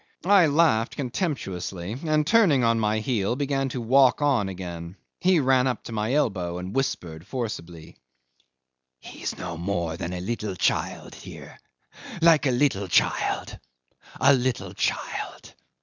I laughed contemptuously, and, turning on my heel, began to walk on again. He ran up to my elbow and whispered forcibly, "He's no more than a little child here like a little child a little child."